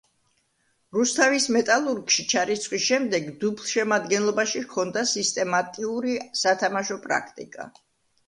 რუსთავის „მეტალურგში“ ჩარიცხვის შემდეგ დუბლშემადგენლობაში ჰქონდა სისტემატიური სათამაშო პრაქტიკა.